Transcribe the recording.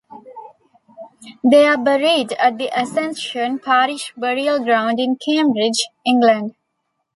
They are buried at the Ascension Parish Burial Ground in Cambridge, England.